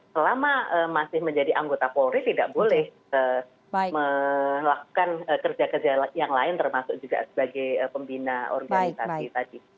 selama masih menjadi anggota polri tidak boleh melakukan kerja kerja yang lain termasuk juga sebagai pembina organisasi tadi